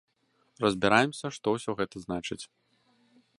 Разбіраемся, што ўсё гэта значыць.